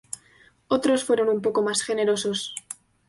Otros fueron un poco más generosos.